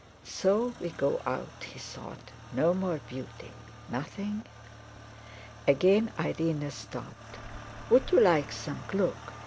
"So we go out!" he thought. "No more beauty! Nothing?" Again Irene stopped. "Would you like some Gluck?